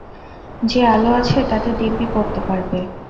যে আলো আছে তাতে দিব্যি পড়তে পারবে।